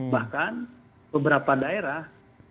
bahkan beberapa daerah